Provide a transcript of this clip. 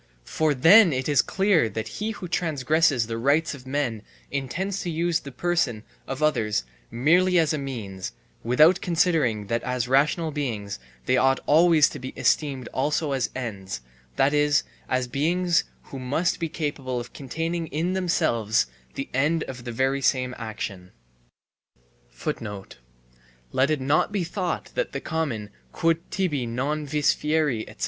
For then it is clear that he who transgresses the rights of men intends to use the person of others merely as a means, without considering that as rational beings they ought always to be esteemed also as ends, that is, as beings who must be capable of containing in themselves the end of the very same action. Let it not be thought that the common "quod tibi non vis fieri, etc."